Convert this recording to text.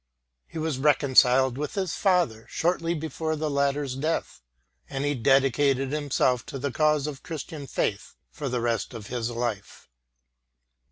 He was reconciled with his father shortly before the latter's death, and he dedicated himself to the cause of Christian faith for the rest of his life.